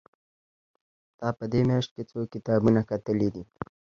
تا په دې مياشت کې څو کتابونه کتلي دي؟